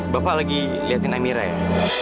bapak lagi lihatin amira ya